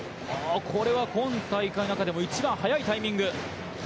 これは今大会の中でも、一番早いタイミング。